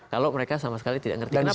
kalau mereka sama sekali tidak ngerti masalah